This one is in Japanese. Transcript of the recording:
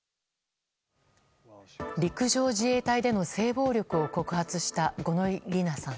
陸上自衛隊での性暴力を告発した、五ノ井里奈さん。